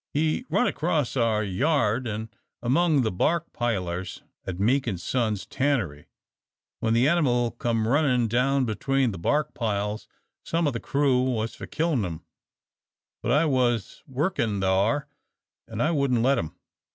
"He run across our yard, an' among the bark pilers at Meek an' Sons' tannery. When the animal come runnin' down between the bark piles, some of the crew was for killin' him, but I was workin' thar, an' I wouldn't let 'em.